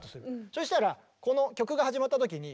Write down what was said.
そしたらこの曲が始まった時に。